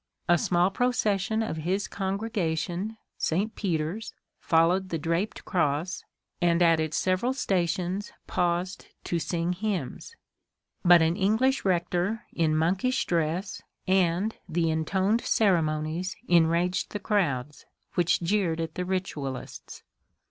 A small procession of his congregation (St. Peter's) followed the draped cross, and at its several stations paused to sing hymns ; but an English rector in monkish dress and the intoned ceremonies enraged the crowds, which jeered at the ritualists.